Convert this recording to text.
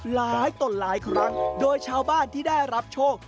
หลายต่อหลายครั้งโดยชาวบ้านที่ได้รับโชค